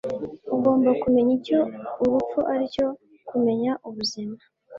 Ugomba kumenya icyo urupfu aricyo kumenya ubuzima.